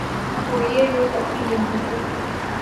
کو یہ لوگ اپنی بندوقوں